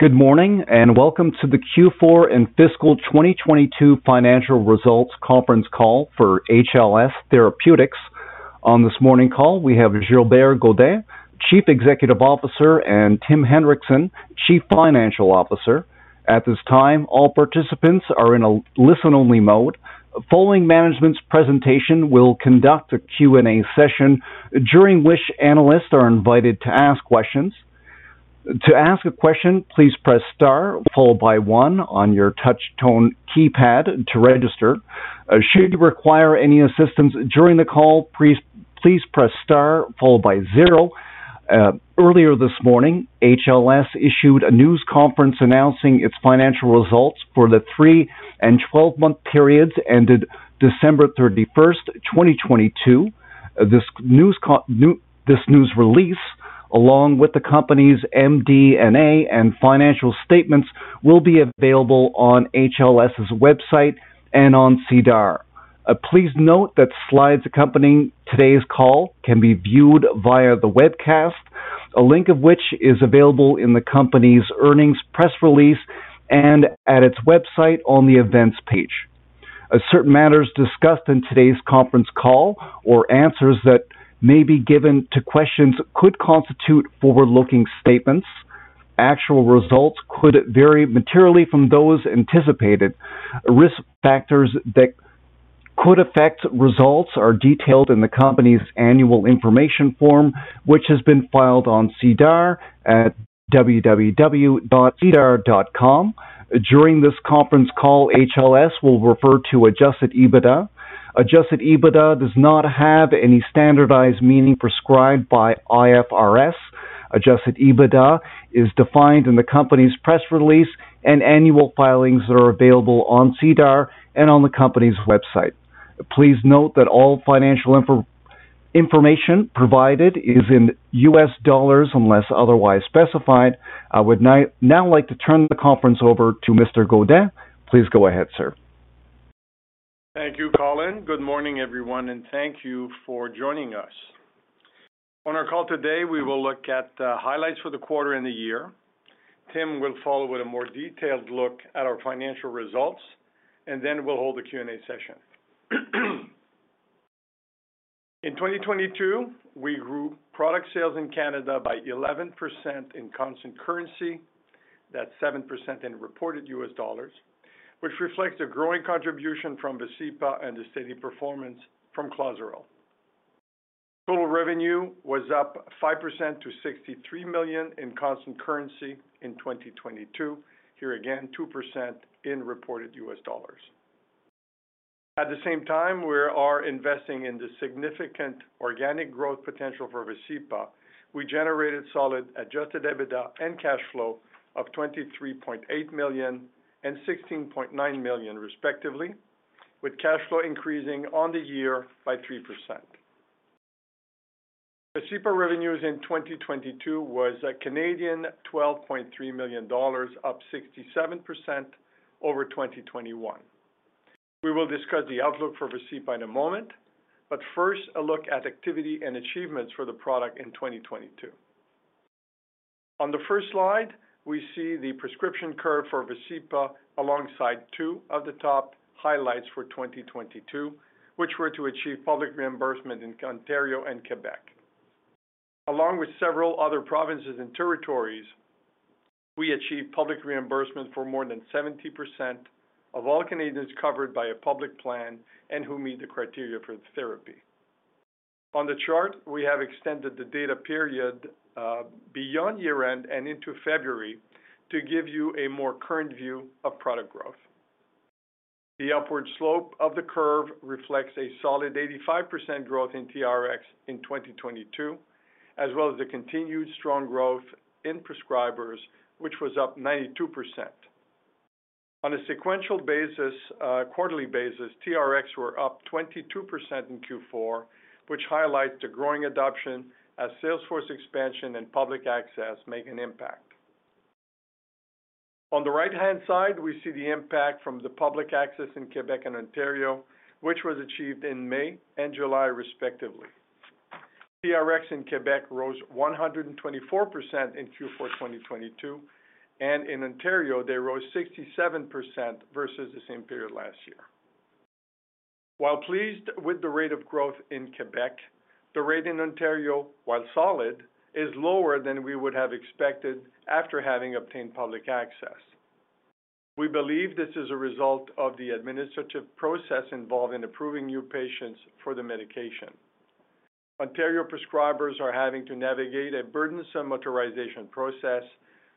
Good morning, and welcome to the Q4 and fiscal 2022 Financial Results Conference call for HLS Therapeutics. On this morning call, we have Gilbert Godin, Chief Executive Officer, and Tim Hendrickson, Chief Financial Officer. At this time, all participants are in a listen-only mode. Following management's presentation, we'll conduct a Q&A session during which analysts are invited to ask questions. To ask a question, please press star followed by one on your touch tone keypad to register. Should you require any assistance during the call, please press star followed by zero. Earlier this morning, HLS issued a news conference announcing its financial results for the three and 12-month periods ended December 31, 2022. This news release, along with the company's MD&A and financial statements, will be available on HLS's website and on SEDAR. Please note that slides accompanying today's call can be viewed via the webcast, a link of which is available in the company's earnings press release and at its website on the events page. As certain matters discussed in today's conference call or answers that may be given to questions could constitute forward-looking statements, actual results could vary materially from those anticipated. Risk factors that could affect results are detailed in the company's annual information form, which has been filed on SEDAR at www.sedar.com. During this conference call, HLS will refer to Adjusted EBITDA. Adjusted EBITDA does not have any standardized meaning prescribed by IFRS. Adjusted EBITDA is defined in the company's press release and annual filings that are available on SEDAR and on the company's website. Please note that all financial information provided is in U.S. dollars unless otherwise specified. I would now like to turn the conference over to Mr. Godin. Please go ahead, sir. Thank you, Colin. Good morning, everyone, and thank you for joining us. On our call today, we will look at highlights for the quarter and the year. Tim will follow with a more detailed look at our financial results, and then we'll hold the Q&A session. In 2022, we grew product sales in Canada by 11% in constant currency. That's 7% in reported U.S. dollars, which reflects a growing contribution from Vascepa and a steady performance from Clozaril. Total revenue was up 5% to $63 million in constant currency in 2022. Here again, 2% in reported U.S. dollars. At the same time, we are investing in the significant organic growth potential for Vascepa. We generated solid Adjusted EBITDA and cash flow of $23.8 million and $16.9 million, respectively, with cash flow increasing on the year by 3%. Vascepa revenues in 2022 was 12.3 million Canadian dollars, up 67% over 2021. We will discuss the outlook for Vascepa in a moment. First a look at activity and achievements for the product in 2022. On the first slide, we see the prescription curve for Vascepa alongside two of the top highlights for 2022, which were to achieve public reimbursement in Ontario and Quebec. Along with several other provinces and territories, we achieved public reimbursement for more than 70% of all Canadians covered by a public plan and who meet the criteria for the therapy. On the chart, we have extended the data period beyond year-end and into February to give you a more current view of product growth. The upward slope of the curve reflects a solid 85% growth in TRX in 2022, as well as the continued strong growth in prescribers, which was up 92%. On a sequential basis, quarterly basis, TRXs were up 22% in Q4, which highlights the growing adoption as salesforce expansion and public access make an impact. On the right-hand side, we see the impact from the public access in Quebec and Ontario, which was achieved in May and July respectively. TRXs in Quebec rose 124% in Q4, 2022, and in Ontario they rose 67% versus the same period last year. While pleased with the rate of growth in Quebec, the rate in Ontario, while solid, is lower than we would have expected after having obtained public access. We believe this is a result of the administrative process involved in approving new patients for the medication. Ontario prescribers are having to navigate a burdensome authorization process,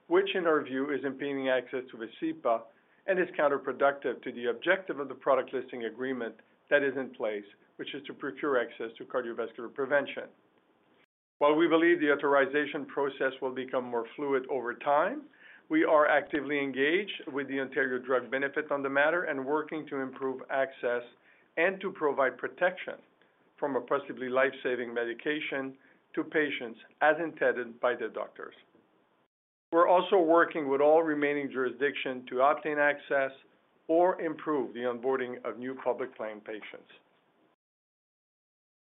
which in our view is impeding access to Vascepa and is counterproductive to the objective of the product listing agreement that is in place, which is to procure access to cardiovascular prevention. While we believe the authorization process will become more fluid over time, we are actively engaged with the Ontario Drug Benefit on the matter and working to improve access and to provide protection from a possibly life-saving medication to patients as intended by their doctors. We're also working with all remaining jurisdiction to obtain access or improve the onboarding of new public plan patients.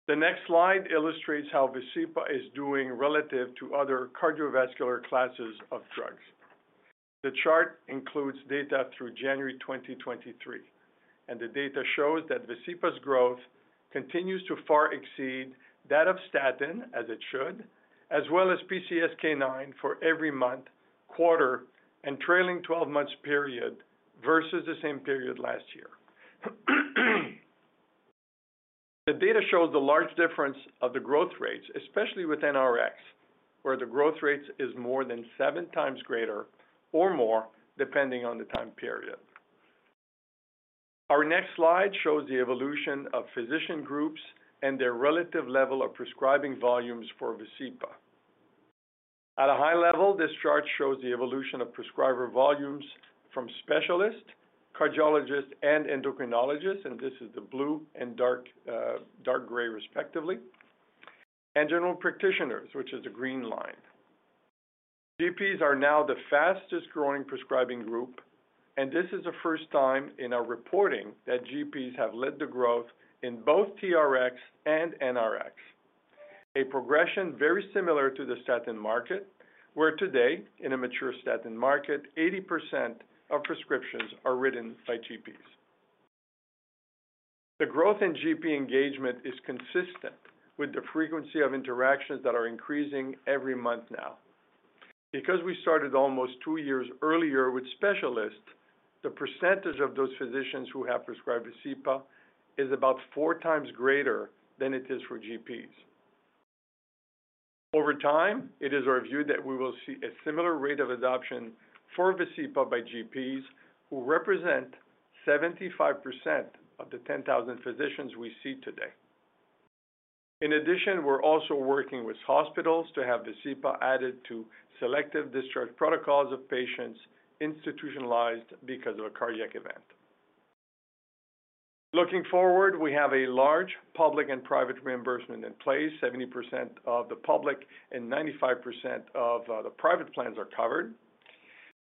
The next slide illustrates how Vascepa is doing relative to other cardiovascular classes of drugs. The chart includes data through January 2023. The data shows that Vascepa's growth continues to far exceed that of statin as it should, as well as PCSK9 for every month, quarter, and trailing 12 months period versus the same period last year. The data shows the large difference of the growth rates, especially with NRX, where the growth rates is more than seven times greater or more, depending on the time period. Our next slide shows the evolution of physician groups and their relative level of prescribing volumes for Vascepa. At a high level, this chart shows the evolution of prescriber volumes from specialists, cardiologists, and endocrinologists, and this is the blue and dark gray respectively, general practitioners, which is the green line. GPs are now the fastest-growing prescribing group, and this is the first time in our reporting that GPs have led the growth in both TRX and NRX. A progression very similar to the statin market, where today in a mature statin market, 80% of prescriptions are written by GPs. The growth in GP engagement is consistent with the frequency of interactions that are increasing every month now. Because we started almost two years earlier with specialists, the percentage of those physicians who have prescribed Vascepa is about four times greater than it is for GPs. Over time, it is our view that we will see a similar rate of adoption for Vascepa by GPs who represent 75% of the 10,000 physicians we see today. In addition, we're also working with hospitals to have Vascepa added to selective discharge protocols of patients institutionalized because of a cardiac event. Looking forward, we have a large public and private reimbursement in place. 70% of the public and 95% of the private plans are covered.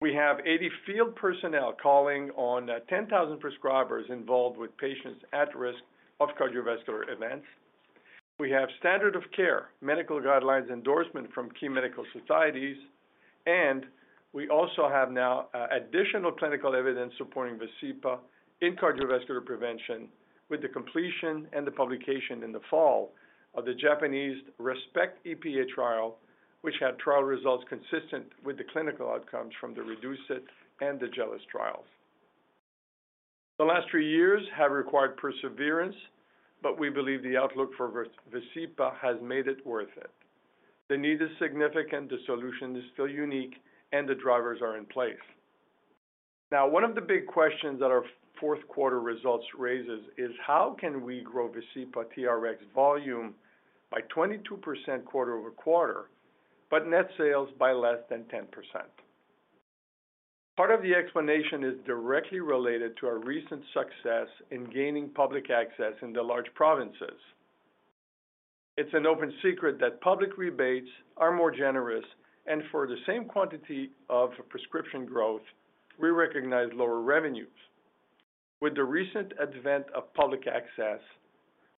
We have 80 field personnel calling on 10,000 prescribers involved with patients at risk of cardiovascular events. We have standard of care, medical guidelines endorsement from key medical societies. We also have now additional clinical evidence supporting Vascepa in cardiovascular prevention with the completion and the publication in the fall of the Japanese RESPECT-EPA trial, which had trial results consistent with the clinical outcomes from the REDUCE-IT and the JELIS trials. The last three years have required perseverance, we believe the outlook for Vascepa has made it worth it. The need is significant, the solution is still unique, the drivers are in place. Now, one of the big questions that our Q4 results raises is: How can we grow Vascepa TRX volume by 22% quarter-over-quarter, but net sales by less than 10%? Part of the explanation is directly related to our recent success in gaining public access in the large provinces. It's an open secret that public rebates are more generous, and for the same quantity of prescription growth, we recognize lower revenues. With the recent advent of public access,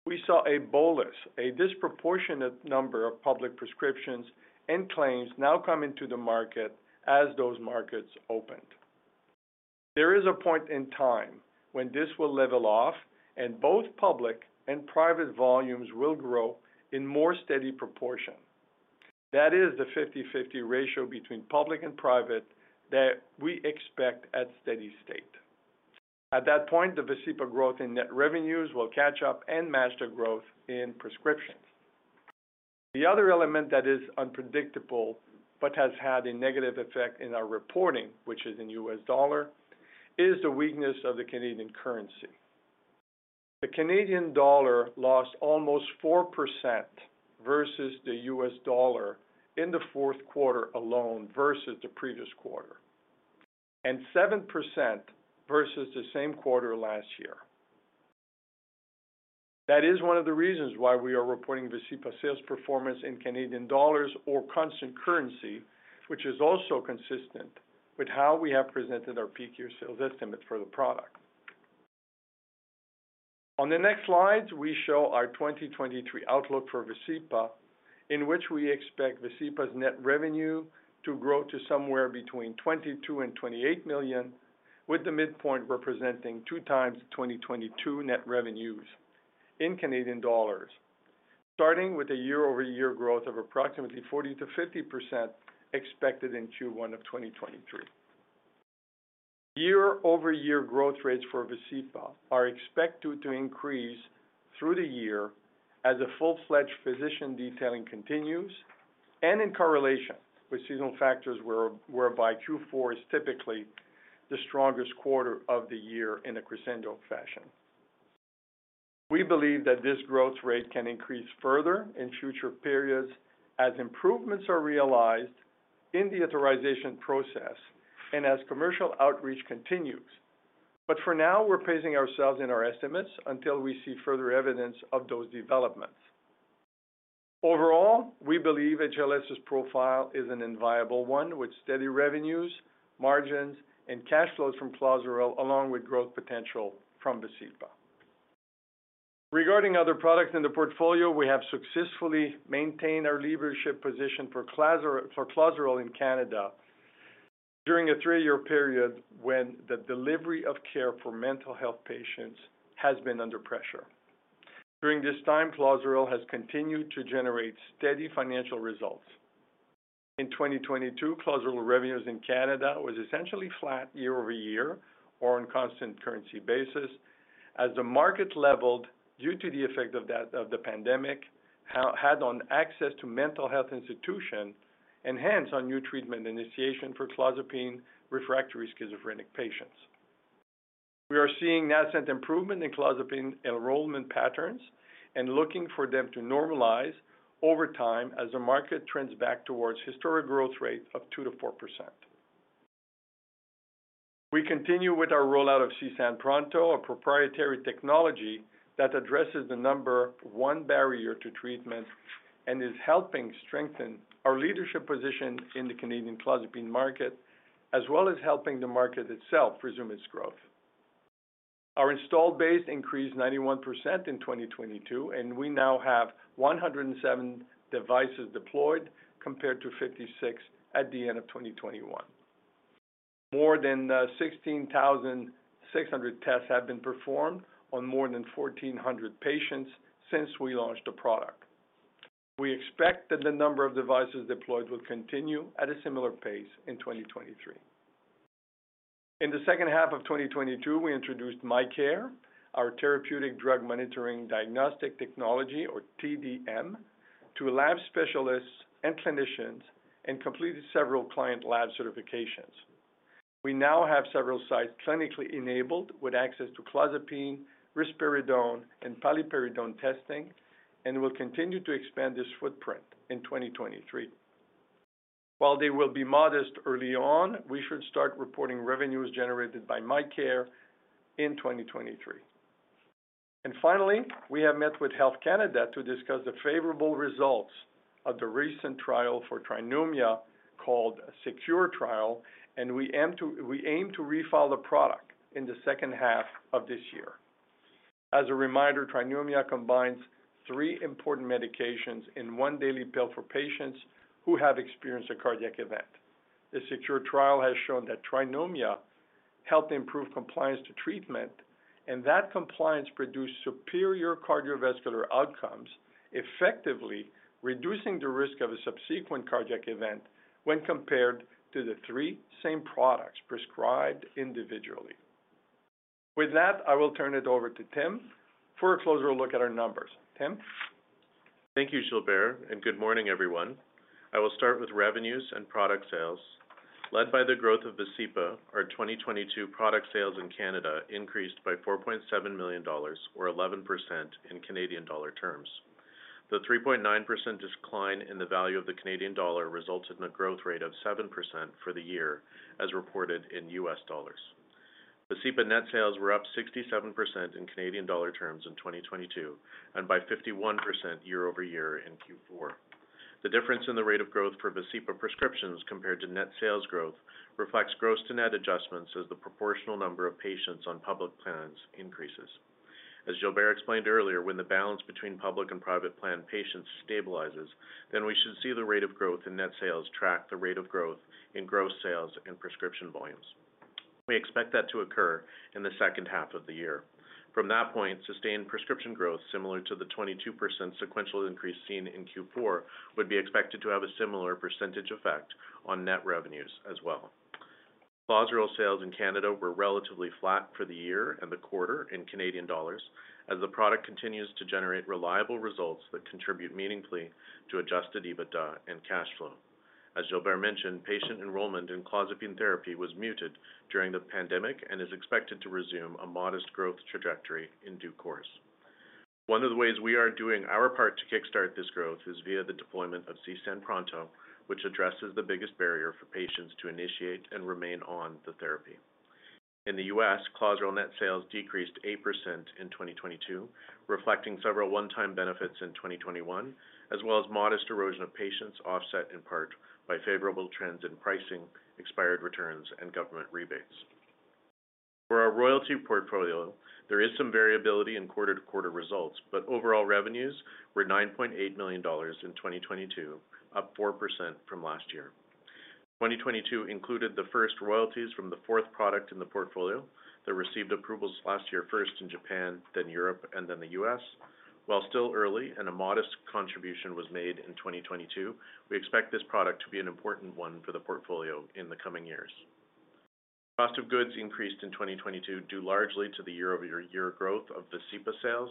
we saw a bolus, a disproportionate number of public prescriptions and claims now come into the market as those markets opened. There is a point in time when this will level off and both public and private volumes will grow in more steady proportion. That is the 50/50 ratio between public and private that we expect at steady state. At that point, the Vascepa growth in net revenues will catch up and match the growth in prescriptions. The other element that is unpredictable but has had a negative effect in our reporting, which is in US dollar, is the weakness of the Canadian currency. The Canadian dollar lost almost 4% versus the US dollar in the Q4 alone versus the previous quarter, and 7% versus the same quarter last year. That is one of the reasons why we are reporting Vascepa sales performance in Canadian dollars or constant currency, which is also consistent with how we have presented our peak year sales estimates for the product. On the next slides, we show our 2023 outlook for Vascepa, in which we expect Vascepa's net revenue to grow to somewhere between 22 million and 28 million, with the midpoint representing 2 times the 2022 net revenues in CAD, starting with a year-over-year growth of approximately 40%-50% expected in Q1 of 2023. Year-over-year growth rates for Vascepa are expected to increase through the year as a full-fledged physician detailing continues and in correlation with seasonal factors where, whereby Q4 is typically the strongest quarter of the year in a crescendo fashion. We believe that this growth rate can increase further in future periods as improvements are realized in the authorization process and as commercial outreach continues. For now, we're pacing ourselves in our estimates until we see further evidence of those developments. Overall, we believe HLS's profile is an enviable one with steady revenues, margins, and cash flows from Clozaril, along with growth potential from Vascepa. Regarding other products in the portfolio, we have successfully maintained our leadership position for Clozaril in Canada during a three-year period when the delivery of care for mental health patients has been under pressure. During this time, Clozaril has continued to generate steady financial results. In 2022, Clozaril revenues in Canada was essentially flat year-over-year or on constant currency basis as the market leveled due to the effect of the pandemic had on access to mental health institution and hence on new treatment initiation for clozapine-refractory schizophrenic patients. We are seeing nascent improvement in clozapine enrollment patterns and looking for them to normalize over time as the market trends back towards historic growth rate of 2%-4%. We continue with our rollout of CSAN PRONTO, a proprietary technology that addresses the number one barrier to treatment and is helping strengthen our leadership position in the Canadian clozapine market, as well as helping the market itself resume its growth. Our installed base increased 91% in 2022, and we now have 107 devices deployed compared to 56 at the end of 2021. More than 16,600 tests have been performed on more than 1,400 patients since we launched the product. We expect that the number of devices deployed will continue at a similar pace in 2023. In the second half of 2022, we introduced MyCare, our therapeutic drug monitoring diagnostic technology or TDM, to lab specialists and clinicians and completed several client lab certifications. We now have several sites clinically enabled with access to clozapine, risperidone, and paliperidone testing and will continue to expand this footprint in 2023. While they will be modest early on, we should start reporting revenues generated by MyCare in 2023. Finally, we have met with Health Canada to discuss the favorable results of the recent trial for Trinomia, called SECURE trial, and we aim to refile the product in the second half of this year. As a reminder, Trinomia combines 3 important medications in one daily pill for patients who have experienced a cardiac event. The SECURE trial has shown that Trinomia helped improve compliance to treatment, and that compliance produced superior cardiovascular outcomes, effectively reducing the risk of a subsequent cardiac event when compared to the three same products prescribed individually. With that, I will turn it over to Tim for a closer look at our numbers. Tim. Thank you, Gilbert. Good morning, everyone. I will start with revenues and product sales. Led by the growth of Vascepa, our 2022 product sales in Canada increased by 4.7 million dollars or 11% in Canadian dollar terms. The 3.9% decline in the value of the Canadian dollar resulted in a growth rate of 7% for the year as reported in US dollars. Vascepa net sales were up 67% in Canadian dollar terms in 2022 and by 51% year-over-year in Q4. The difference in the rate of growth for Vascepa prescriptions compared to net sales growth reflects gross to net adjustments as the proportional number of patients on public plans increases. As Gilbert Godin explained earlier, when the balance between public and private plan patients stabilizes, then we should see the rate of growth in net sales track the rate of growth in gross sales and prescription volumes. We expect that to occur in the second half of the year. From that point, sustained prescription growth, similar to the 22% sequential increase seen in Q4, would be expected to have a similar percentage effect on net revenues as well. Clozaril sales in Canada were relatively flat for the year and the quarter in Canadian dollars as the product continues to generate reliable results that contribute meaningfully to Adjusted EBITDA and cash flow. As Gilbert Godin mentioned, patient enrollment in clozapine therapy was muted during the pandemic and is expected to resume a modest growth trajectory in due course. One of the ways we are doing our part to kickstart this growth is via the deployment of CSAN PRONTO, which addresses the biggest barrier for patients to initiate and remain on the therapy. In the U.S., Clozaril net sales decreased 8% in 2022, reflecting several one-time benefits in 2021, as well as modest erosion of patients offset in part by favorable trends in pricing, expired returns, and government rebates. For our royalty portfolio, there is some variability in quarter-to-quarter results, but overall revenues were $9.8 million in 2022, up 4% from last year. 2022 included the first royalties from the fourth product in the portfolio that received approvals last year first in Japan, then Europe, and then the U.S. While still early and a modest contribution was made in 2022, we expect this product to be an important one for the portfolio in the coming years. Cost of goods increased in 2022 due largely to the year-over-year growth of Vascepa sales.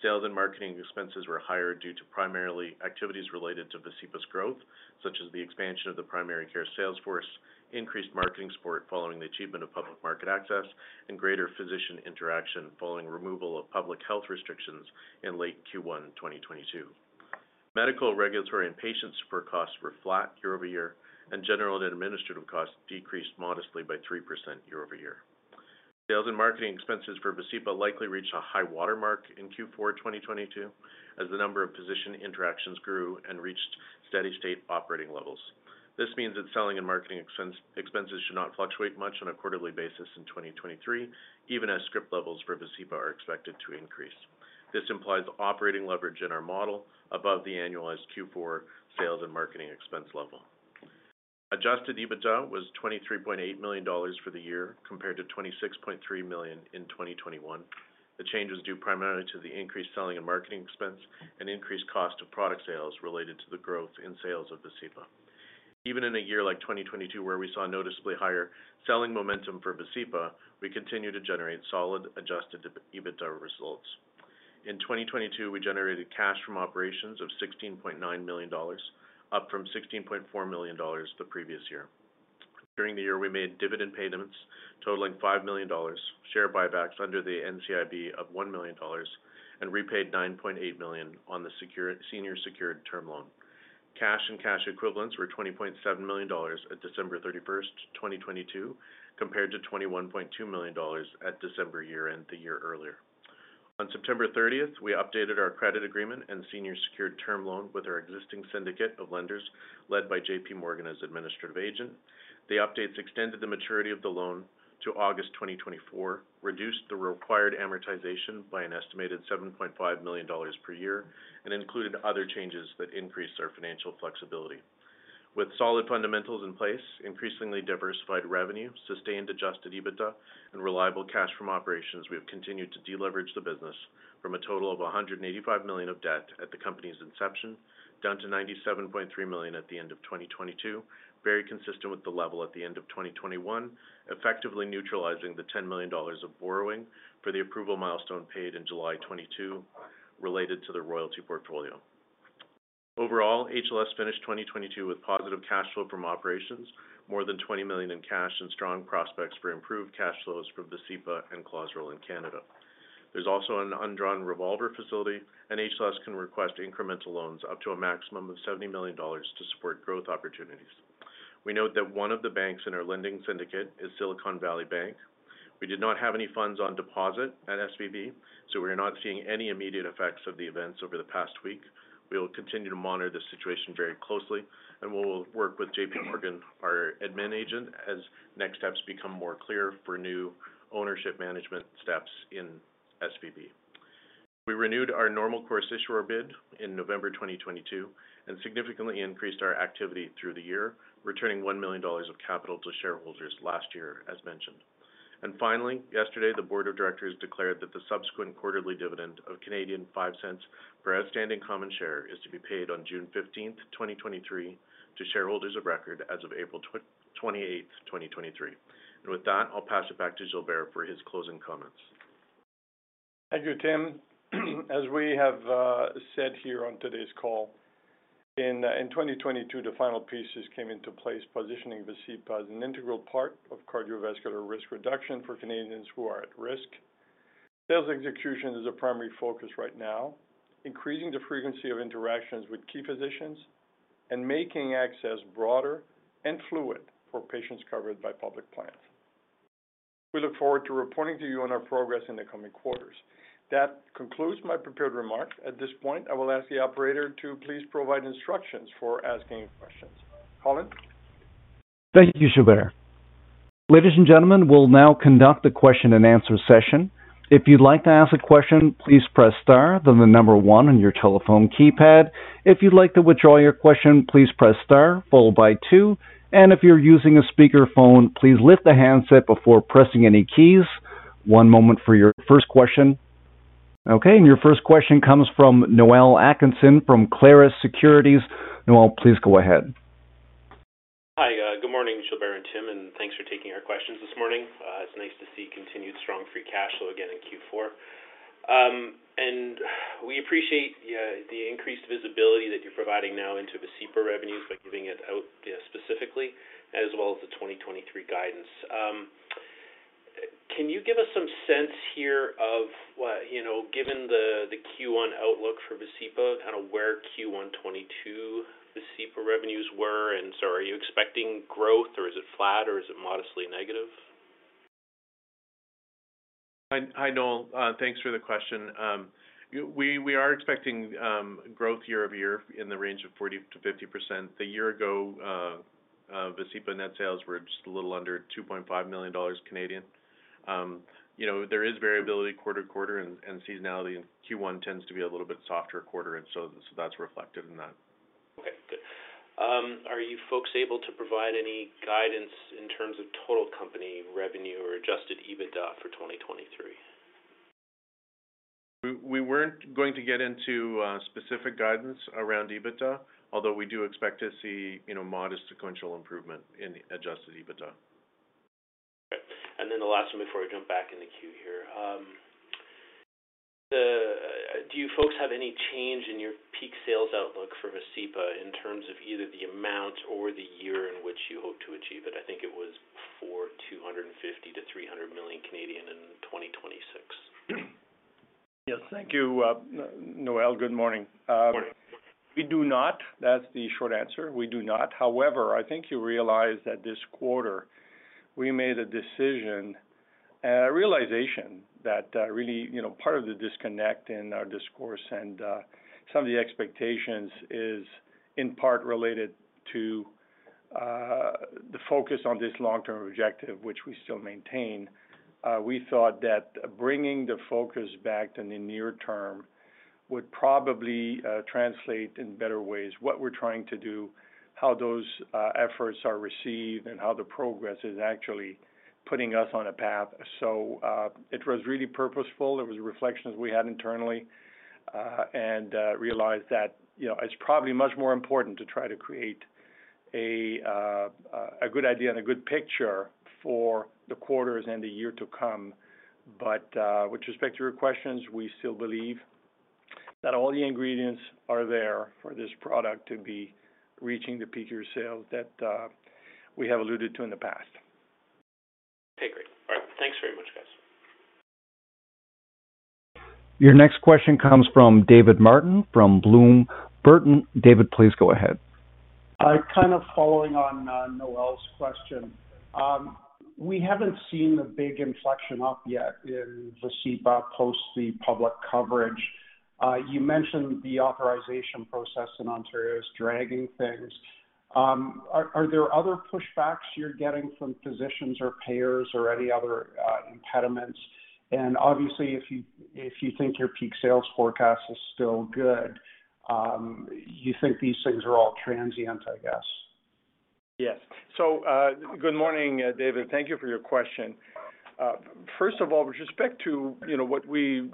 Sales and marketing expenses were higher due to primarily activities related to Vascepa's growth, such as the expansion of the primary care sales force, increased marketing support following the achievement of public market access, and greater physician interaction following removal of public health restrictions in late Q1 2022. Medical, regulatory, and patient support costs were flat year-over-year, and general and administrative costs decreased modestly by 3% year-over-year. Sales and marketing expenses for Vascepa likely reached a high watermark in Q4 2022 as the number of physician interactions grew and reached steady state operating levels. This means that selling and marketing expenses should not fluctuate much on a quarterly basis in 2023, even as script levels for Vascepa are expected to increase. This implies operating leverage in our model above the annualized Q4 sales and marketing expense level. Adjusted EBITDA was $23.8 million for the year compared to $26.3 million in 2021. The change was due primarily to the increased selling and marketing expense and increased cost of product sales related to the growth in sales of Vascepa. Even in a year like 2022, where we saw noticeably higher selling momentum for Vascepa, we continued to generate solid Adjusted EBITDA results. In 2022, we generated cash from operations of $16.9 million, up from $16.4 million the previous year. During the year, we made dividend payments totaling $5 million, share buybacks under the NCIB of $1 million, and repaid $9.8 million on the senior secured term loan. Cash and cash equivalents were $20.7 million at December 31, 2022, compared to $21.2 million at December year-end the year earlier. On September 30, we updated our credit agreement and senior secured term loan with our existing syndicate of lenders, led by J.P. Morgan as administrative agent. The updates extended the maturity of the loan to August 2024, reduced the required amortization by an estimated $7.5 million per year, and included other changes that increased our financial flexibility. With solid fundamentals in place, increasingly diversified revenue, sustained Adjusted EBITDA, and reliable cash from operations, we have continued to deleverage the business from a total of $185 million of debt at the company's inception, down to $97.3 million at the end of 2022, very consistent with the level at the end of 2021, effectively neutralizing the $10 million of borrowing for the approval milestone paid in July 2022 related to the royalty portfolio. HLS finished 2022 with positive cash flow from operations, more than $20 million in cash, and strong prospects for improved cash flows from Vascepa and Clozaril in Canada. There's also an undrawn revolver facility. HLS can request incremental loans up to a maximum of $70 million to support growth opportunities. We note that one of the banks in our lending syndicate is Silicon Valley Bank. We did not have any funds on deposit at SVB, we're not seeing any immediate effects of the events over the past week. We will continue to monitor the situation very closely, we'll work with J.P. Morgan, our admin agent, as next steps become more clear for new ownership management steps in SVB. We renewed our normal course issuer bid in November 2022 and significantly increased our activity through the year, returning $1 million of capital to shareholders last year, as mentioned. Finally, yesterday, the board of directors declared that the subsequent quarterly dividend of 0.05 per outstanding common share is to be paid on June 15th, 2023 to shareholders of record as of April 28th, 2023. With that, I'll pass it back to Gilbert for his closing comments. Thank you, Tim. As we have said here on today's call, in 2022, the final pieces came into place positioning Vascepa as an integral part of cardiovascular risk reduction for Canadians who are at risk. Sales execution is a primary focus right now, increasing the frequency of interactions with key physicians and making access broader and fluid for patients covered by public plans. We look forward to reporting to you on our progress in the coming quarters. That concludes my prepared remarks. At this point, I will ask the operator to please provide instructions for asking questions. Colin? Thank you, Gilbert. Ladies and gentlemen, we'll now conduct the question and answer session. If you'd like to ask a question, please press star one on your telephone keypad. If you'd like to withdraw your question, please press star two. If you're using a speakerphone, please lift the handset before pressing any keys. One moment for your first question. Your first question comes from Noel Atkinson from Clarus Securities. Noel, please go ahead. Hi. Good morning, Gilbert and Tim, thanks for taking our questions this morning. It's nice to see continued strong free cash flow again in Q4. We appreciate the increased visibility that you're providing now into Vascepa revenues by giving it out specifically as well as the 2023 guidance. Can you give us some sense here of you know, given the Q1 outlook for Vascepa, kind of where Q1 2022 Vascepa revenues were, are you expecting growth or is it flat, or is it modestly negative? Hi, Noel. Thanks for the question. We are expecting growth year-over-year in the range of 40%-50%. A year ago, Vascepa net sales were just a little under 2.5 million Canadian dollars. You know, there is variability quarter-to-quarter and seasonality, and Q1 tends to be a little bit softer quarter that's reflected in that. Okay, good. Are you folks able to provide any guidance in terms of total company revenue or Adjusted EBITDA for 2023? We weren't going to get into specific guidance around EBITDA, although we do expect to see, you know, modest sequential improvement in Adjusted EBITDA. Okay. The last one before we jump back in the queue here. Do you folks have any change in your peak sales outlook for Vascepa in terms of either the amount or the year in which you hope to achieve it? I think it was for 250 million-300 million in 2026. Yes. Thank you, Noel. Good morning. Good morning. We do not. That's the short answer. We do not. I think you realize that this quarter we made a decision and a realization that, really, you know, part of the disconnect in our discourse and some of the expectations is in part related to the focus on this long-term objective, which we still maintain. We thought that bringing the focus back to the near term would probably translate in better ways what we're trying to do, how those efforts are received, and how the progress is actually putting us on a path. It was really purposeful. There was reflections we had internally, and realized that, you know, it's probably much more important to try to create a good idea and a good picture for the quarters and the year to come. With respect to your questions, we still believe that all the ingredients are there for this product to be reaching the peak year sales that we have alluded to in the past. Okay, great. All right. Thanks very much, guys. Your next question comes from David Martin from Bloom Burton. David, please go ahead. Kind of following on Noel's question. We haven't seen a big inflection up yet in Vascepa post the public coverage. You mentioned the authorization process in Ontario is dragging things. Are there other pushbacks you're getting from physicians or payers or any other impediments? Obviously, if you, if you think your peak sales forecast is still good, you think these things are all transient, I guess. Yes. Good morning, David. Thank you for your question. First of all, with respect to, you know, what we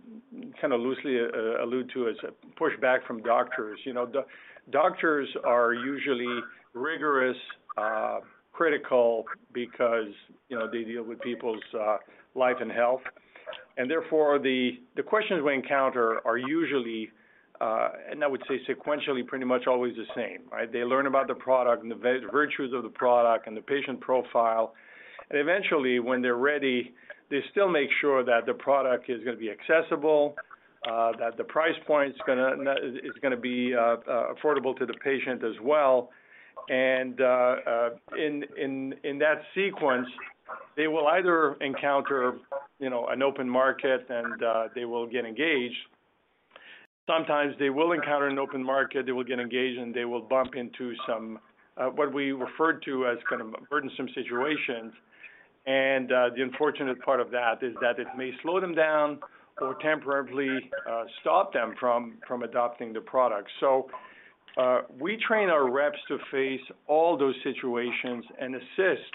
kinda loosely allude to as a pushback from doctors. You know, doctors are usually rigorous, critical because, you know, they deal with people's life and health. Therefore, the questions we encounter are usually, and I would say sequentially pretty much always the same, right? They learn about the product and the virtues of the product and the patient profile. Eventually, when they're ready, they still make sure that the product is gonna be accessible, that the price point is gonna be affordable to the patient as well. In that sequence, they will either encounter, you know, an open market and they will get engaged. Sometimes they will encounter an open market, they will get engaged, and they will bump into some, what we refer to as kind of burdensome situations. The unfortunate part of that is that it may slow them down or temporarily stop them from adopting the product. We train our reps to face all those situations and assist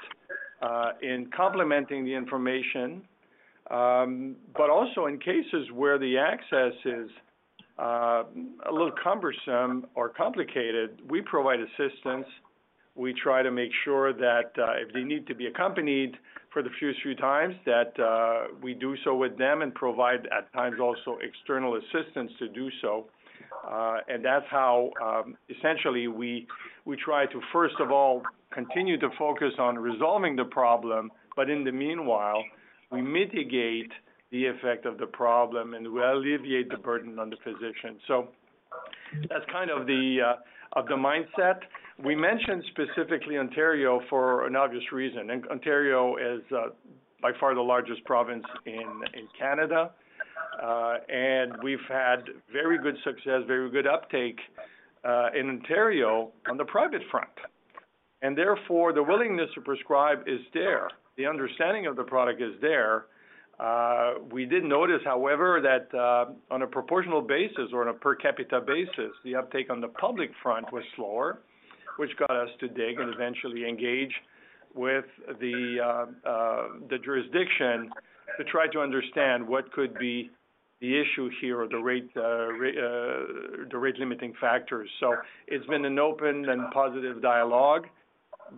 in complementing the information. Also in cases where the access is a little cumbersome or complicated, we provide assistance. We try to make sure that, if they need to be accompanied for the first few times, that we do so with them and provide, at times, also external assistance to do so. That's how, essentially, we try to, first of all, continue to focus on resolving the problem, but in the meanwhile, we mitigate the effect of the problem, and we alleviate the burden on the physician. That's kind of the of the mindset. We mentioned specifically Ontario for an obvious reason. Ontario is by far the largest province in Canada. We've had very good success, very good uptake, in Ontario on the private front. Therefore, the willingness to prescribe is there. The understanding of the product is there. We did notice, however, that on a proportional basis or on a per capita basis, the uptake on the public front was slower, which got us to dig and eventually engage with the jurisdiction to try to understand what could be the issue here or the rate limiting factors. It's been an open and positive dialogue.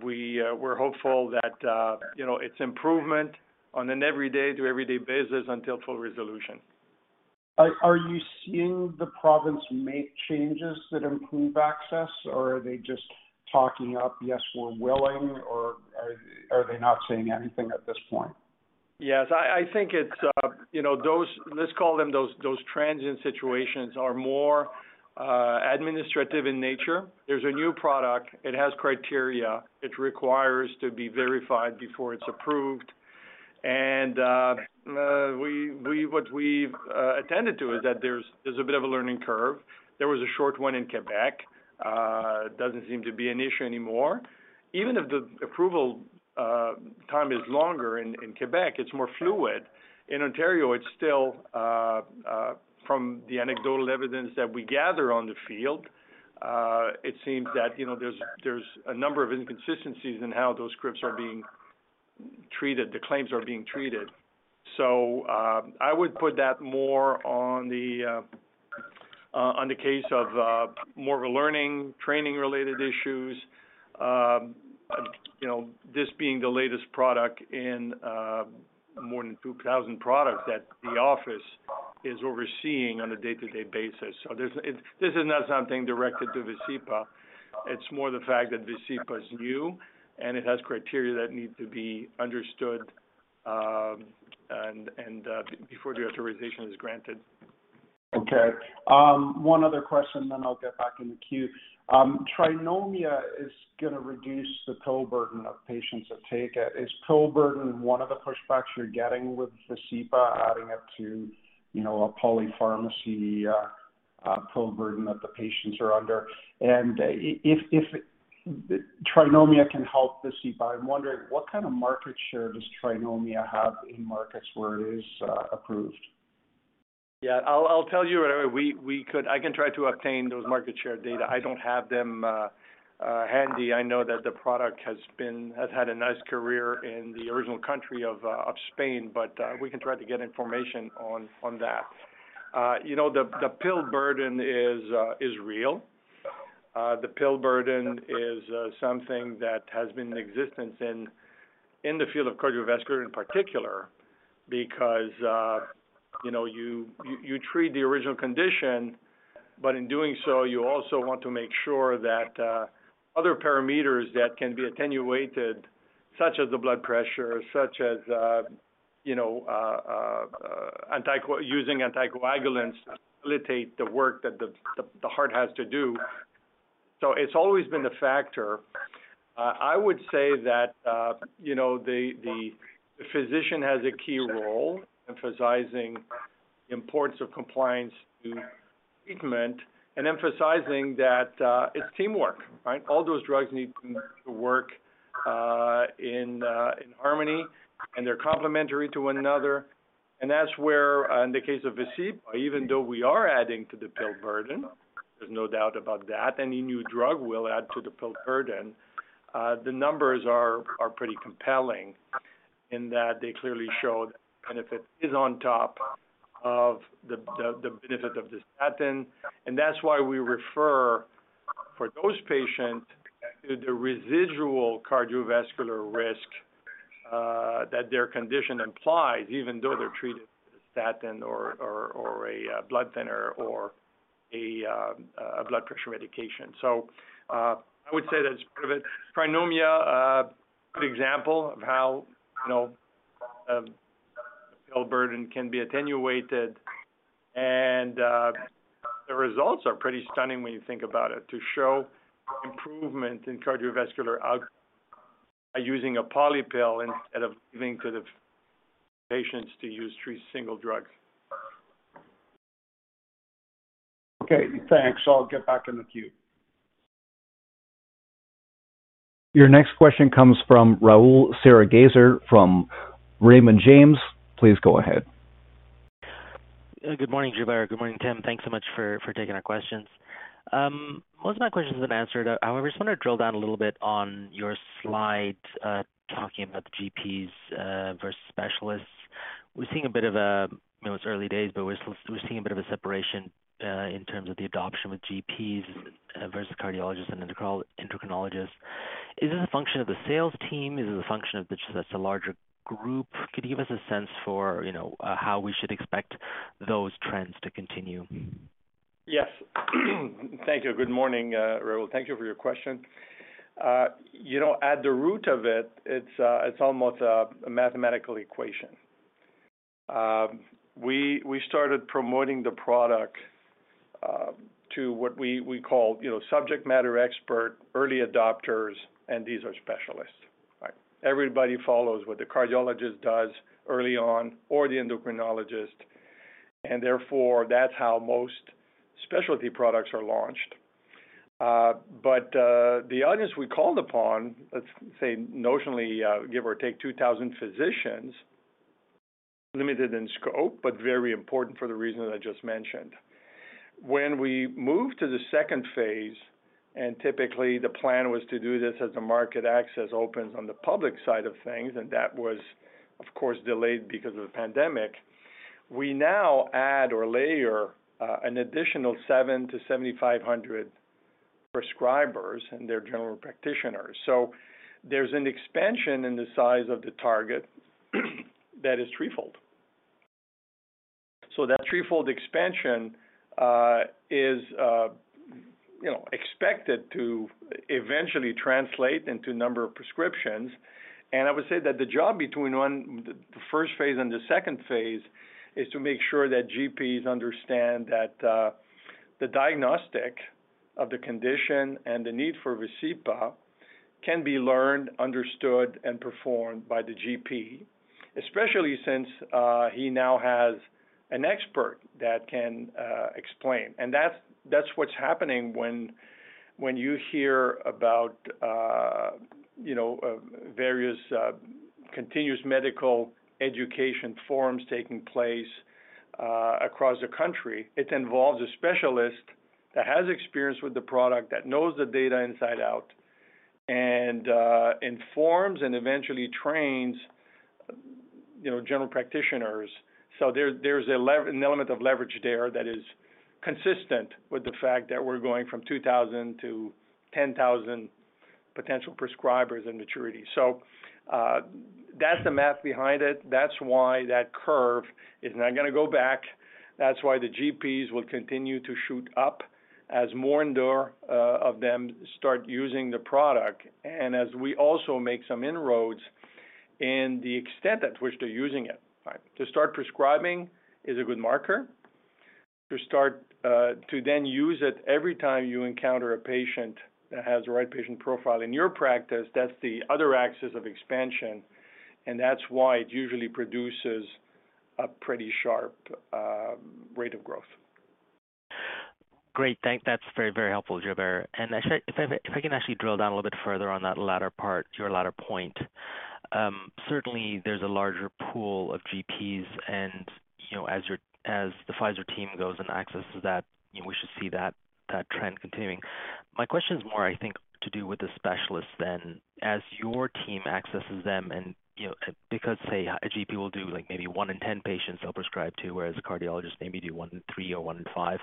We're hopeful that, you know, it's improvement on an every day to everyday basis until full resolution. Are you seeing the province make changes that improve access, or are they just talking up, "Yes, we're willing," or are they not saying anything at this point? Yes. I think it's, you know, those transient situations are more administrative in nature. There's a new product, it has criteria, it requires to be verified before it's approved. What we've attended to is that there's a bit of a learning curve. There was a short one in Quebec. It doesn't seem to be an issue anymore. Even if the approval time is longer in Quebec, it's more fluid. In Ontario, it's still from the anecdotal evidence that we gather on the field, it seems that, you know, there's a number of inconsistencies in how those scripts are being treated, the claims are being treated. I would put that more on the on the case of more of a learning, training-related issues, you know, this being the latest product in more than 2,000 products that the office is overseeing on a day-to-day basis. There's, this is not something directed to Vascepa. It's more the fact that Victoza is new, and it has criteria that need to be understood, and before the authorization is granted. Okay. One other question, then I'll get back in the queue. Trinomia is gonna reduce the pill burden of patients that take it. Is pill burden one of the pushbacks you're getting with Victoza, adding it to, you know, a polypharmacy, pill burden that the patients are under? If Trinomia can help Victoza, I'm wondering what kind of market share does Trinomia have in markets where it is, approved? Yeah. I'll tell you whatever we could. I can try to obtain those market share data. I don't have them handy. I know that the product has had a nice career in the original country of Spain, but we can try to get information on that. You know, the pill burden is real. The pill burden is something that has been in existence in the field of cardiovascular in particular because, you know, you treat the original condition, but in doing so, you also want to make sure that other parameters that can be attenuated, such as the blood pressure, such as, you know, using anticoagulants facilitate the work that the heart has to do. It's always been a factor. I would say that, you know, the physician has a key role emphasizing importance of compliance to treatment and emphasizing that it's teamwork, right? All those drugs need to work in harmony, and they're complementary to one another. That's where, in the case of Victoza, even though we are adding to the pill burden, there's no doubt about that, any new drug will add to the pill burden. The numbers are pretty compelling in that they clearly show the benefit is on top of the benefit of the statin. That's why we refer for those patients to the residual cardiovascular risk that their condition implies, even though they're treated with a statin or a blood thinner or a blood pressure medication. I would say that's part of it. Trinomia, good example of how, you know, pill burden can be attenuated. The results are pretty stunning when you think about it, to show improvement in cardiovascular by using a poly pill instead of leaving to the patients to use three single drugs. Okay, thanks. I'll get back in the queue. Your next question comes from Rahul Sarugaser from Raymond James. Please go ahead. Good morning, Gilbert Godin. Good morning, Tim Hendrickson. Thanks so much for taking our questions. Most of my questions have been answered. I just want to drill down a little bit on your slide, talking about the GPs versus specialists. We're seeing a bit of a, you know, it's early days, but we're seeing a bit of a separation in terms of the adoption with GPs versus cardiologists and endocrinologists. Is this a function of the sales team? Is it a function of the just larger group? Could you give us a sense for, you know, how we should expect those trends to continue? Yes. Thank you. Good morning, Rahul. Thank you for your question. You know, at the root of it's, it's almost a mathematical equation. We started promoting the product to what we call, you know, subject matter expert, early adopters. These are specialists, right? Everybody follows what the cardiologist does early on or the endocrinologist. Therefore that's how most specialty products are launched. The audience we called upon, let's say notionally, give or take 2,000 physicians, limited in scope but very important for the reason that I just mentioned. When we moved to the second phase, typically the plan was to do this as the market access opens on the public side of things, that was of course delayed because of the pandemic, we now add or layer an additional 7 to 7,500 prescribers and their general practitioners. There's an expansion in the size of the target that is threefold. That threefold expansion is, you know, expected to eventually translate into number of prescriptions. I would say that the job between the first phase and the second phase is to make sure that GPs understand that the diagnostic of the condition and the need for Victoza can be learned, understood, and performed by the GP, especially since he now has an expert that can explain. That's what's happening when you hear about, you know, various continuous medical education forums taking place across the country. It involves a specialist that has experience with the product, that knows the data inside out, and informs and eventually trains, you know, general practitioners. There's an element of leverage there that is consistent with the fact that we're going from 2,000 to 10,000 potential prescribers and maturity. That's the math behind it. That's why that curve is not gonna go back. That's why the GPs will continue to shoot up as more and more of them start using the product. And as we also make some inroads in the extent at which they're using it, right? To start prescribing is a good marker. To then use it every time you encounter a patient that has the right patient profile in your practice, that's the other axis of expansion, and that's why it usually produces a pretty sharp rate of growth. Great. That's very, very helpful, Gilbert. Actually, if I, if I can actually drill down a little bit further on that latter part to your latter point. Certainly, there's a larger pool of GPs and, you know, as the Pfizer team goes and accesses that, you know, we should see that trend continuing. My question is more, I think, to do with the specialists then. As your team accesses them and, you know, because, say, a GP will do, like maybe 1 in 10 patients they'll prescribe to, whereas a cardiologist maybe do 1 in 3 or 1 in 5.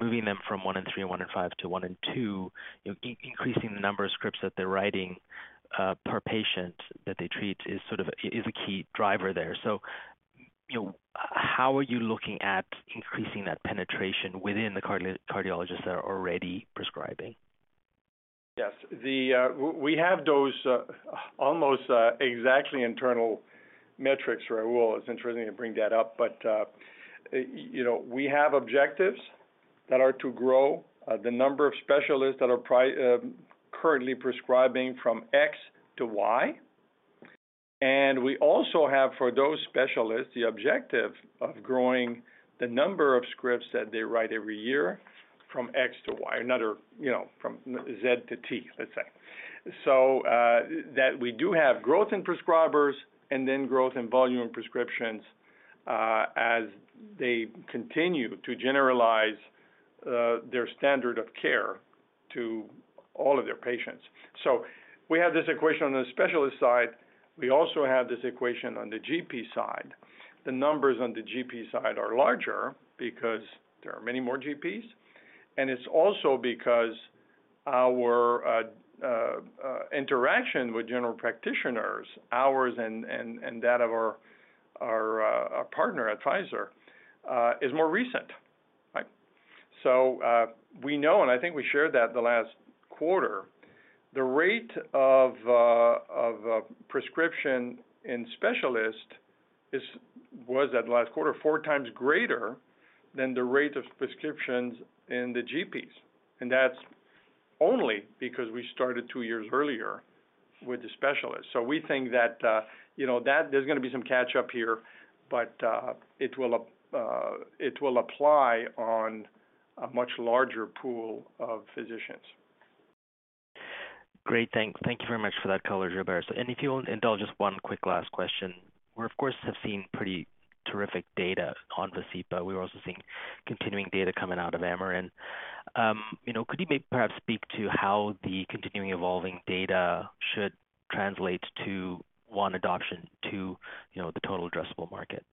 Moving them from 1 in 3 or 1 in 5 to 1 in 2, increasing the number of scripts that they're writing, per patient that they treat is a key driver there. You know, how are you looking at increasing that penetration within the cardiologists that are already prescribing? Yes. The, we have those almost exactly internal metrics, Rahul. It's interesting to bring that up. You know, we have objectives that are to grow the number of specialists that are currently prescribing from X to Y. We also have, for those specialists, the objective of growing the number of scripts that they write every year from X to Y. Another, you know, from Z to T, let's say. That we do have growth in prescribers and then growth in volume in prescriptions, as they continue to generalize their standard of care to all of their patients. We have this equation on the specialist side. We also have this equation on the GP side. The numbers on the GP side are larger because there are many more GPs, and it's also because our interaction with general practitioners, ours and that of our partner at Pfizer, is more recent. Right. We know, and I think we shared that the last quarter, the rate of prescription in specialists was at last quarter, four times greater than the rate of prescriptions in the GPs. That's only because we started two years earlier with the specialists. We think that, you know, that there's gonna be some catch up here, but it will apply on a much larger pool of physicians. Great. Thank you very much for that color, Gilbert. If you'll indulge, just one quick last question. We, of course, have seen pretty terrific data on Vascepa. We're also seeing continuing data coming out of Amarin. You know, could you maybe perhaps speak to how the continuing evolving data should translate to one adoption to, you know, the total addressable market?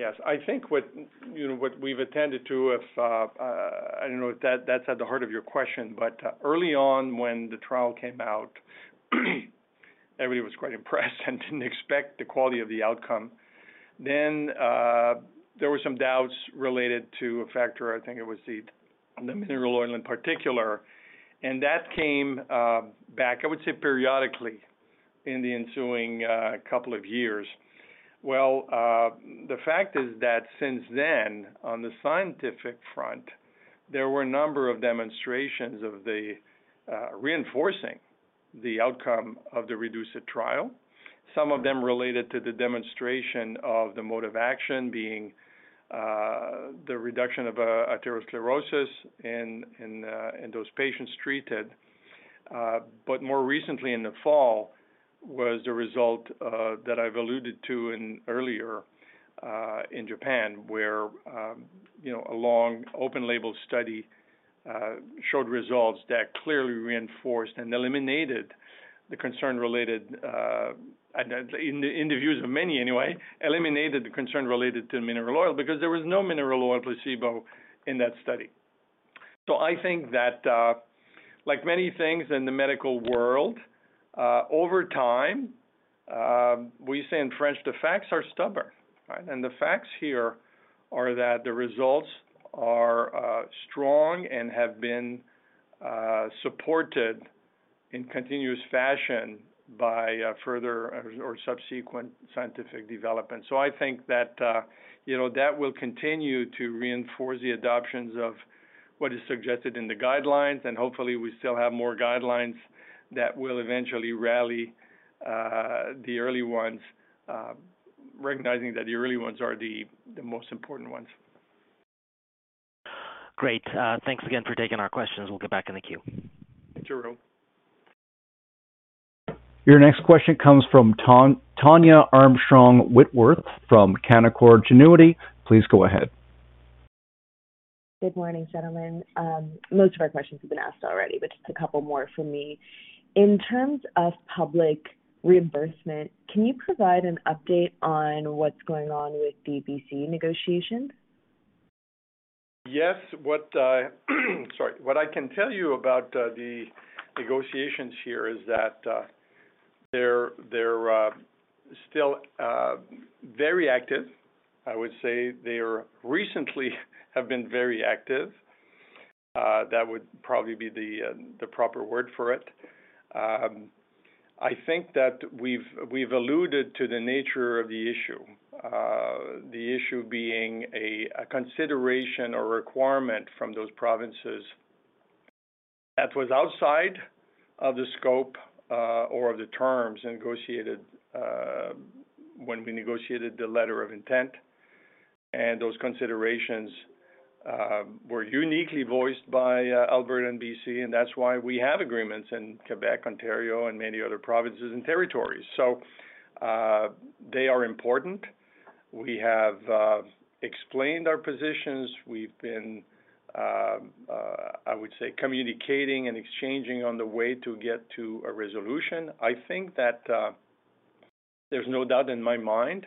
Yes. I think what, you know, what we've attended to, if, I don't know if that's at the heart of your question. Early on, when the trial came out, everybody was quite impressed and didn't expect the quality of the outcome. There were some doubts related to a factor. I think it was the mineral oil in particular. That came back, I would say, periodically in the ensuing couple of years. The fact is that since then, on the scientific front, there were a number of demonstrations of the reinforcing the outcome of the REDUCE-IT trial, some of them related to the demonstration of the mode of action being the reduction of atherosclerosis in those patients treated. More recently in the fall was the result that I've alluded to in earlier in Japan, where, you know, a long open label study showed results that clearly reinforced and eliminated the concern related in the views of many anyway, eliminated the concern related to mineral oil because there was no mineral oil placebo in that study. I think that, like many things in the medical world, over time, we say in French, "The facts are stubborn." Right? The facts here are that the results are strong and have been supported in continuous fashion by further or subsequent scientific developments. I think that, you know, that will continue to reinforce the adoptions of what is suggested in the guidelines. Hopefully, we still have more guidelines that will eventually rally the early ones, recognizing that the early ones are the most important ones. Great. Thanks again for taking our questions. We'll get back in the queue. Sure will. Your next question comes from Tania Armstrong-Whitworth from Canaccord Genuity. Please go ahead. Good morning, gentlemen. Most of our questions have been asked already, but just a couple more from me. In terms of public reimbursement, can you provide an update on what's going on with pCPA negotiations? Yes. What, sorry. What I can tell you about the negotiations here is that they're still very active. I would say they're recently have been very active. That would probably be the proper word for it. I think that we've alluded to the nature of the issue. The issue being a consideration or requirement from those provinces that was outside of the scope or of the terms negotiated when we negotiated the letter of intent. Those considerations were uniquely voiced by Alberta and BC, and that's why we have agreements in Quebec, Ontario, and many other provinces and territories. They are important. We have explained our positions. We've been, I would say, communicating and exchanging on the way to get to a resolution. I think that there's no doubt in my mind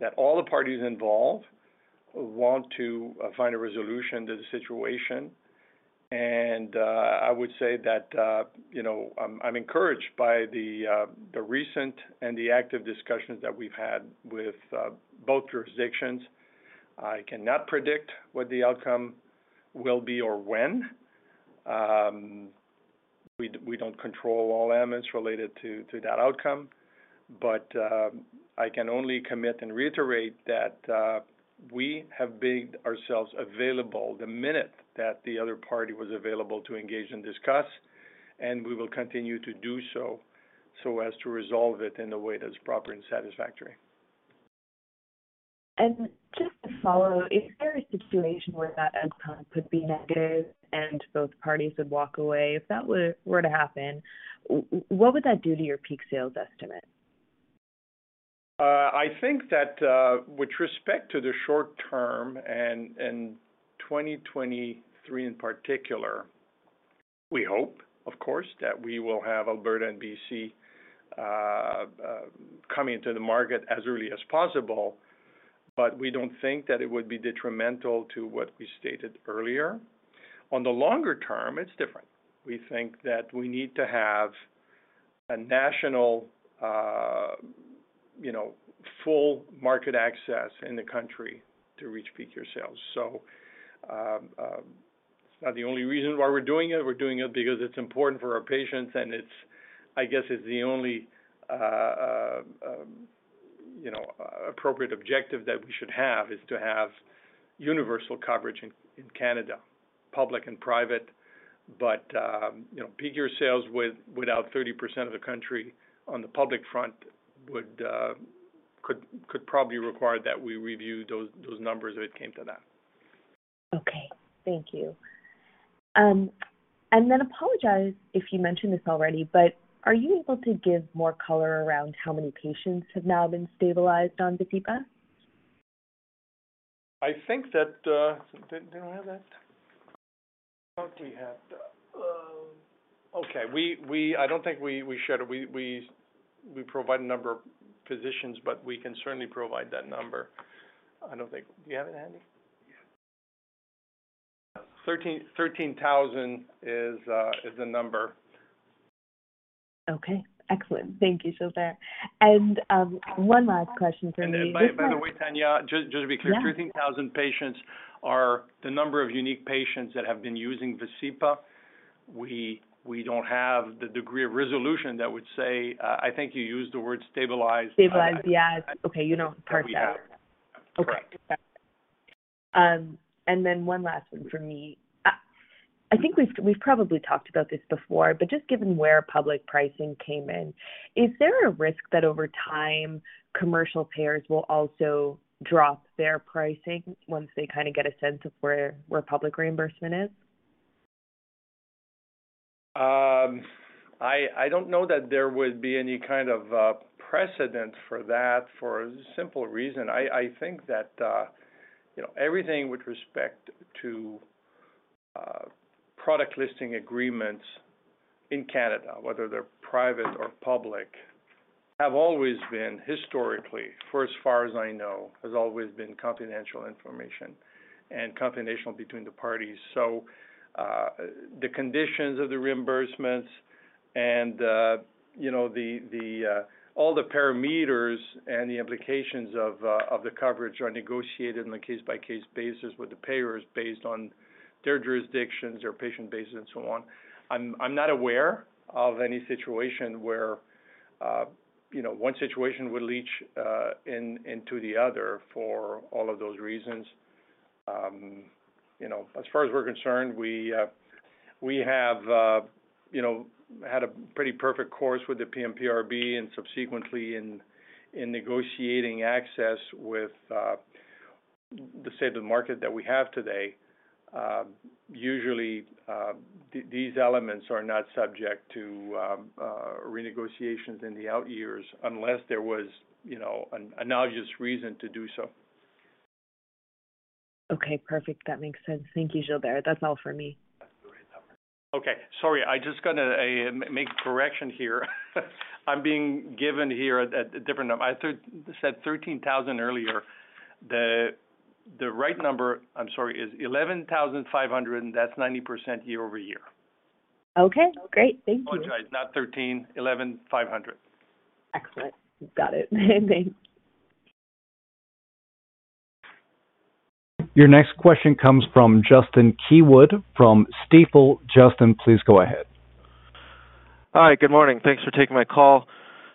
that all the parties involved want to find a resolution to the situation. I would say that, you know, I'm encouraged by the recent and the active discussions that we've had with both jurisdictions. I cannot predict what the outcome will be or when. We don't control all elements related to that outcome. I can only commit and reiterate that we have made ourselves available the minute that the other party was available to engage and discuss, and we will continue to do so as to resolve it in a way that's proper and satisfactory. Just to follow, is there a situation where that outcome could be negative and both parties would walk away? If that were to happen, what would that do to your peak sales estimate? I think that, with respect to the short term and 2023 in particular, we hope, of course, that we will have Alberta and BC coming to the market as early as possible. We don't think that it would be detrimental to what we stated earlier. On the longer term, it's different. We think that we need to have a national, you know, full market access in the country to reach peak year sales. It's not the only reason why we're doing it. We're doing it because it's important for our patients, and I guess it's the only, you know, appropriate objective that we should have, is to have universal coverage in Canada, public and private. You know, peak year sales with-without 30% of the country on the public front would, could probably require that we review those numbers if it came to that. Okay. Thank you. Apologize if you mentioned this already, but are you able to give more color around how many patients have now been stabilized on Vascepa? I think that. Do we have that? I thought we had that. Okay. I don't think we shared it. We provide a number of physicians, but we can certainly provide that number. I don't think. Do you have it handy? Yeah. 13,000 is the number. Okay. Excellent. Thank you, Gilbert. One last question for me. By the way, Tanya, just to be clear... Yeah. 13,000 patients are the number of unique patients that have been using Vascepa. We don't have the degree of resolution that would say, I think you used the word stabilize. Stabilize. Yeah. I, I- Okay. You don't parse out. We haven't. Correct. Okay. Got it. Then one last one from me. I think we've probably talked about this before, but just given where public pricing came in, is there a risk that over time, commercial payers will also drop their pricing once they kinda get a sense of where public reimbursement is? I don't know that there would be any kind of precedent for that for a simple reason. I think that, you know, everything with respect to product listing agreements in Canada, whether they're private or public, have always been historically, for as far as I know, has always been confidential information and confidential between the parties. The conditions of the reimbursements and, you know, the all the parameters and the implications of the coverage are negotiated on a case-by-case basis with the payers based on their jurisdictions, their patient bases and so on. I'm not aware of any situation where, you know, one situation will leach into the other for all of those reasons. You know, as far as we're concerned, we have, you know, had a pretty perfect course with the PMPRB and subsequently in negotiating access with, the say the market that we have today. Usually, these elements are not subject to, renegotiations in the out years unless there was, you know, an analogous reason to do so. Okay. Perfect. That makes sense. Thank you, Gilbert. That's all for me. Okay. Sorry, I just gonna make correction here. I said 13,000 earlier. The right number, I'm sorry, is 11,500, and that's 90% year-over-year. Okay, great. Thank you. Apologize, not 13, 11,500. Excellent. Got it. Thanks. Your next question comes from Justin Keywood from Stifel. Justin, please go ahead. Hi, good morning. Thanks for taking my call.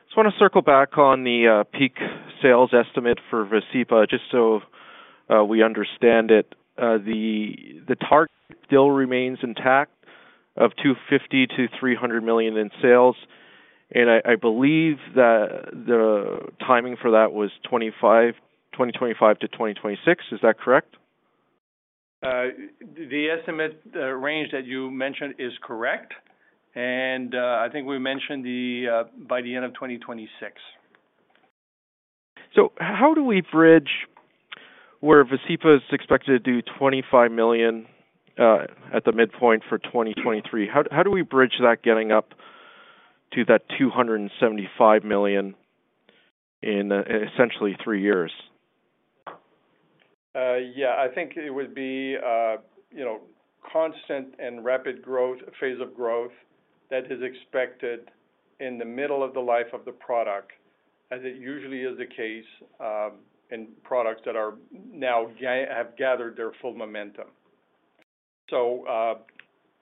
Just wanna circle back on the peak sales estimate for Vascepa, just so we understand it. The target still remains intact of $250 million-$300 million in sales. I believe that the timing for that was 2025 to 2026. Is that correct? The estimate, range that you mentioned is correct. I think we mentioned the by the end of 2026. How do we bridge where Vascepa is expected to do $25 million at the midpoint for 2023? How do we bridge that getting up to that $275 million in essentially three years? Yeah, I think it would be, you know, constant and rapid growth, phase of growth that is expected in the middle of the life of the product, as it usually is the case, in products that are now have gathered their full momentum.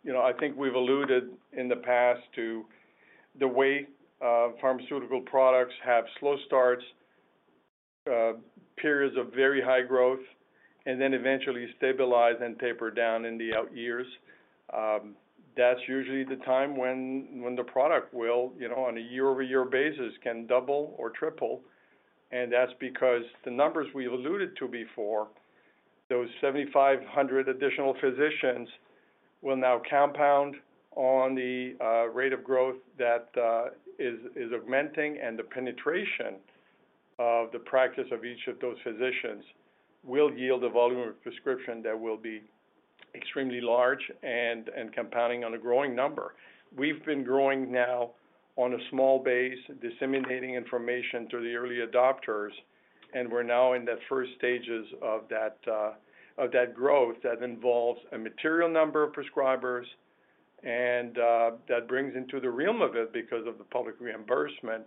You know, I think we've alluded in the past to the way, pharmaceutical products have slow starts, periods of very high growth, and then eventually stabilize and taper down in the out years. That's usually the time when the product will, you know, on a year-over-year basis, can double or triple, and that's because the numbers we alluded to before, those 7,500 additional physicians will now compound on the rate of growth that is augmenting, and the penetration of the practice of each of those physicians will yield a volume of prescription that will be extremely large and compounding on a growing number. We've been growing now on a small base, disseminating information to the early adopters. We're now in the first stages of that growth that involves a material number of prescribers and that brings into the realm of it because of the public reimbursement,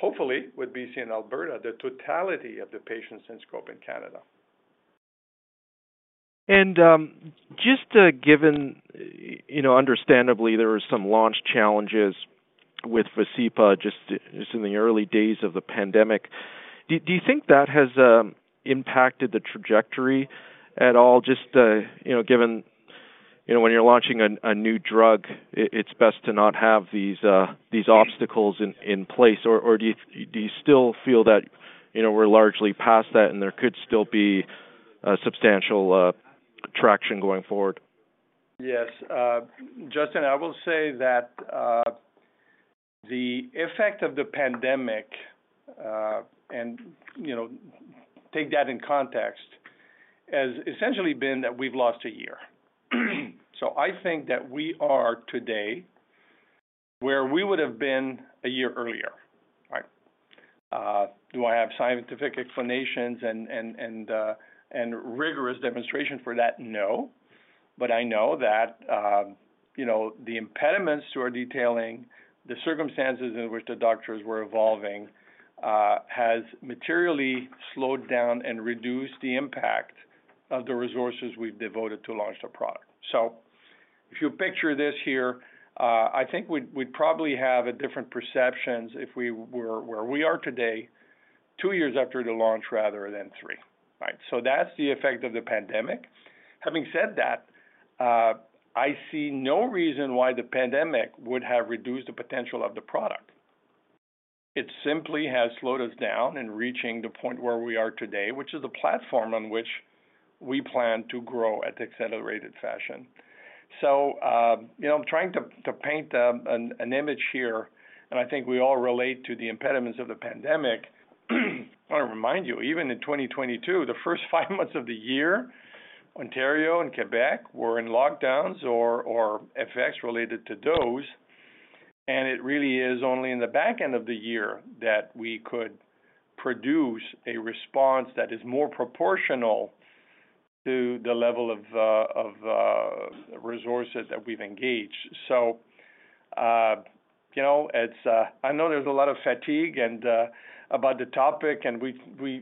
hopefully, with B.C. in Alberta, the totality of the patients in scope in Canada. Just to given, you know, understandably, there are some launch challenges with Vascepa just in the early days of the pandemic, do you think that has impacted the trajectory at all just, you know, given, you know, when you're launching a new drug, it's best to not have these obstacles in place? Or do you still feel that, you know, we're largely past that and there could still be substantial traction going forward? Yes. Justin, I will say that the effect of the pandemic, and, you know, take that in context, has essentially been that we've lost a year. I think that we are today where we would have been a year earlier, right? Do I have scientific explanations and, and rigorous demonstration for that? No. I know that, you know, the impediments to our detailing, the circumstances in which the doctors were evolving, has materially slowed down and reduced the impact of the resources we've devoted to launch the product. If you picture this here, I think we'd probably have a different perceptions if we were where we are today, 2 years after the launch rather than 3, right? That's the effect of the pandemic. Having said that, I see no reason why the pandemic would have reduced the potential of the product. It simply has slowed us down in reaching the point where we are today, which is a platform on which we plan to grow at accelerated fashion. You know, I'm trying to paint an image here, and I think we all relate to the impediments of the pandemic. I wanna remind you, even in 2022, the first five months of the year, Ontario and Quebec were in lockdowns or effects related to those. It really is only in the back end of the year that we could produce a response that is more proportional to the level of resources that we've engaged. You know, it's, I know there's a lot of fatigue and about the topic, and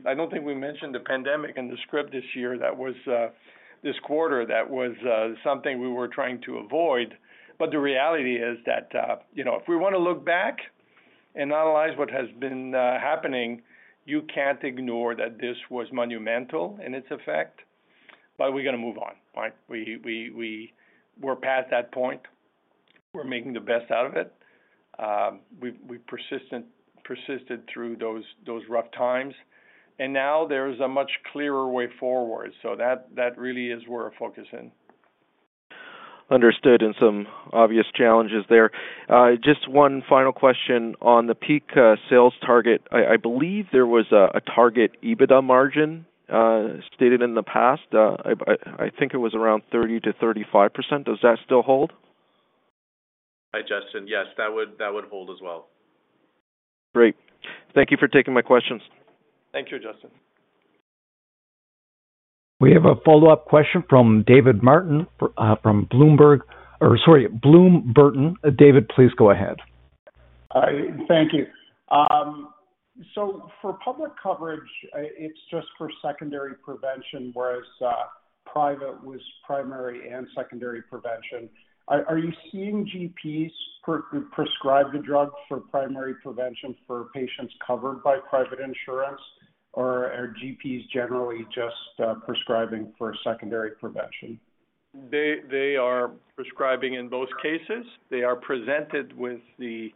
I don't think we mentioned the pandemic in the script this year. That was this quarter. That was something we were trying to avoid. The reality is that, you know, if we wanna look back and analyze what has been happening, you can't ignore that this was monumental in its effect. We're gonna move on, right? We're past that point. We're making the best out of it. We've persisted through those rough times, and now there's a much clearer way forward. That really is where we're focusing. Understood. Some obvious challenges there. Just one final question on the peak sales target. I believe there was a target EBITDA margin stated in the past. I think it was around 30%-35%. Does that still hold? Hi, Justin. Yes, that would hold as well. Great. Thank you for taking my questions. Thank you, Justin. We have a follow-up question from David Martin from Bloom Burton. David, please go ahead. Thank you. For public coverage, it's just for secondary prevention, whereas private was primary and secondary prevention. Are you seeing GPs prescribe the drug for primary prevention for patients covered by private insurance? Are GPs generally just prescribing for secondary prevention? They are prescribing in both cases. They are presented with the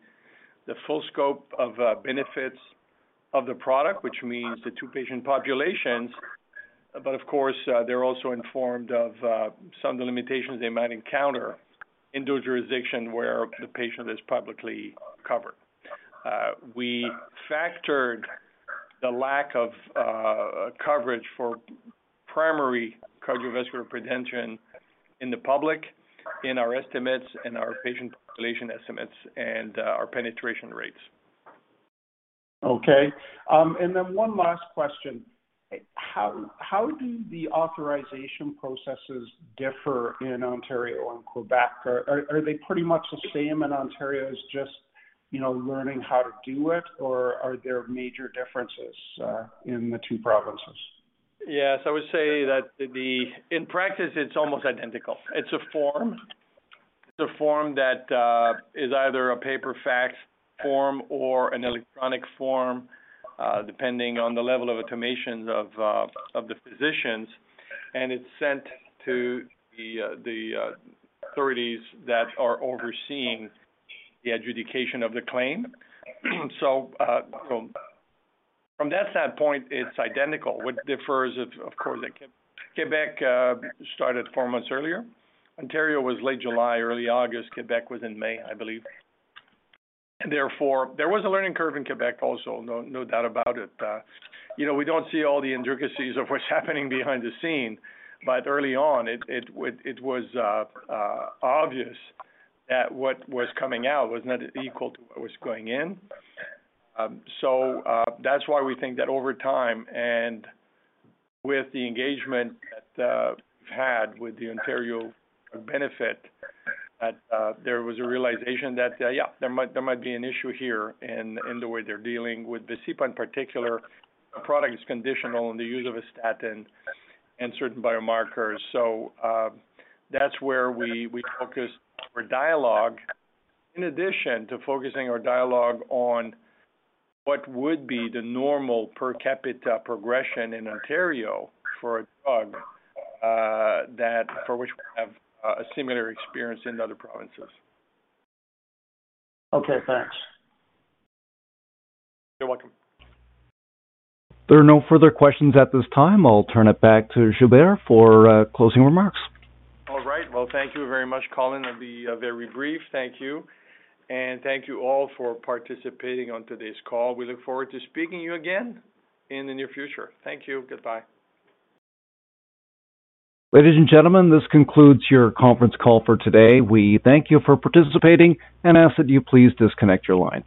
full scope of benefits of the product, which means the two patient populations. Of course, they're also informed of some of the limitations they might encounter in those jurisdictions where the patient is publicly covered. We factored the lack of coverage for primary cardiovascular prevention in the public in our estimates and our patient population estimates and our penetration rates. Okay. One last question. How do the authorization processes differ in Ontario and Quebec? Are they pretty much the same and Ontario is just, you know, learning how to do it, or are there major differences in the two provinces? Yes, I would say that in practice, it's almost identical. It's a form. It's a form that is either a paper fax form or an electronic form, depending on the level of automations of the physicians, and it's sent to the authorities that are overseeing the adjudication of the claim. From that standpoint, it's identical. What differs, of course, Quebec started 4 months earlier. Ontario was late July, early August. Quebec was in May, I believe. Therefore, there was a learning curve in Quebec also, no doubt about it. You know, we don't see all the intricacies of what's happening behind the scene, but early on it was obvious that what was coming out was not equal to what was going in. That's why we think that over time and with the engagement that we've had with the Ontario Drug Benefit, there was a realization that there might be an issue here in the way they're dealing with Vascepa in particular. The product is conditional on the use of a statin and certain biomarkers. That's where we focus our dialogue in addition to focusing our dialogue on what would be the normal per capita progression in Ontario for a drug that for which we have a similar experience in other provinces. Okay, thanks. You're welcome. There are no further questions at this time. I'll turn it back to Gilbert for closing remarks. All right. Well, thank you very much, Colin. I'll be very brief. Thank you. Thank you all for participating on today's call. We look forward to speaking to you again in the near future. Thank you. Goodbye. Ladies and gentlemen, this concludes your conference call for today. We thank you for participating and ask that you please disconnect your lines.